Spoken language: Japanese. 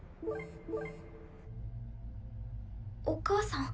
お母さん？